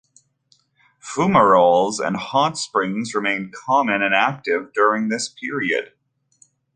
Fumaroles and hot springs remained common and active during this period.